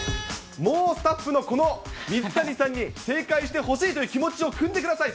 もう、スタッフのこの水谷さんに正解してほしいという気持ちをくんでください。